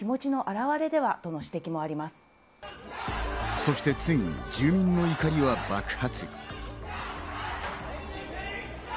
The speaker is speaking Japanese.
そしてついに、住民の怒りは爆発。